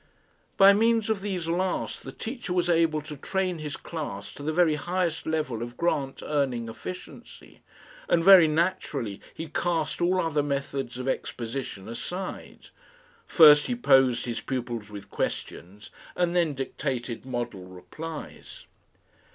By means of these last the teacher was able to train his class to the very highest level of grant earning efficiency, and very naturally he cast all other methods of exposition aside. First he posed his pupils with questions and then dictated model replies.